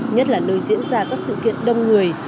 nhất là nơi diễn ra các sự kiện đông người